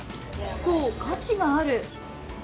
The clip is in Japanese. そう、価値がある。